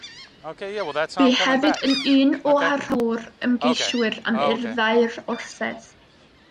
Bu hefyd yn un o arholwyr ymgeiswyr am urddau'r orsedd.